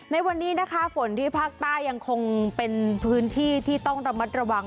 ในวันนี้นะคะฝนที่ภาคใต้ยังคงเป็นพื้นที่ที่ต้องระมัดระวัง